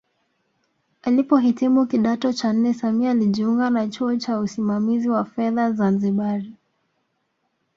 Alipohitimu kidato cha nne Samia alijiunga na chuo cha usimamizi wa fedha Zanzibari